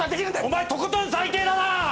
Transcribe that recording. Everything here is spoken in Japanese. お前とことん最低だな！